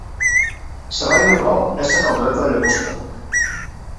Sa reina, però, és sa caldereta de llagosta!